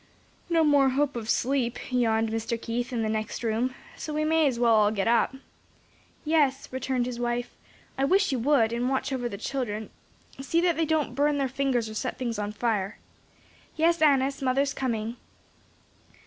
"No more hope of sleep," yawned Mr. Keith, in the next room; "so we may as well get up." "Yes," returned his wife, "I wish you would, and watch over the children; see that they don't burn their fingers or set things on fire. "Yes, Annis, mother's coming."